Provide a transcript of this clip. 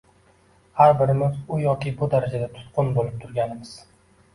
— har birimiz u yoki bu darajada tutqun bo‘lib turganimiz